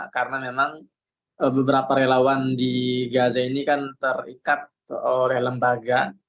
karena memang beberapa relawan di gaza ini kan terikat oleh lembaga